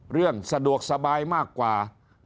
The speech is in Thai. เรื่องสะดวกสบายมากกว่า